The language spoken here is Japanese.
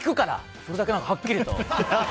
それだけはっきりと。